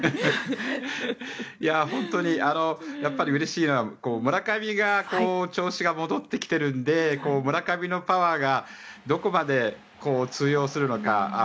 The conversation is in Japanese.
本当にうれしいのは村上の調子が戻ってきてるので村上のパワーがどこまで通用するのか。